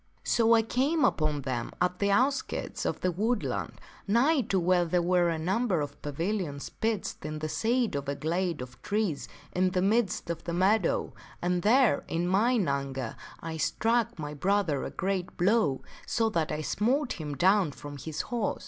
" So I came upon them at the outskirts of the woodland, nigh to where there were a number of pavilions pitched in the shade of a glade of trees in the midst of the meadow, and there, in mine anger, I struck my brother a great blow so that I smote him down from his horse.